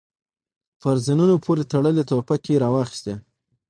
پر زينونو پورې تړلې ټوپکې يې را واخيستې.